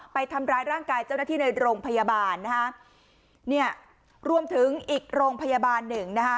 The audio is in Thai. ไปทำร้ายร่างกายเจ้าหน้าที่ในโรงพยาบาลนะฮะเนี่ยรวมถึงอีกโรงพยาบาลหนึ่งนะคะ